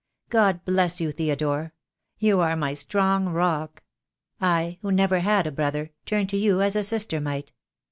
God bless you, Theodore. You are my strong rock. I, who never had a brother, turn to you as a sister might.